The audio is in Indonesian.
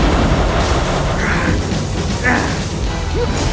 jangan lakukan jurus itu